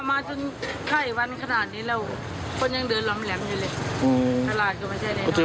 แต่ถ้าว่าคนจะหนาตานี่คือเสาร์อาทิตย์